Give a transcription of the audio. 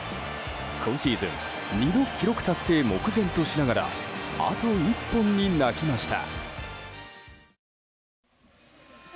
今シーズン２度記録達成目前としながらあと１本に泣きました。